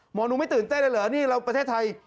หนูไม่ตื่นเต้นเลยเหรอนี่เราประเทศไทย